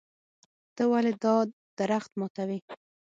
ته ولې دا درخت ماتوې.